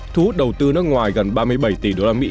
thu hút đầu tư nước ngoài gần ba mươi bảy tỷ đô la mỹ